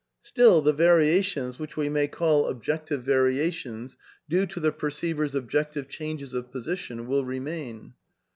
Still, the variations, which we may call objective varia tions due to the perceiver's objective changes of position, will remain.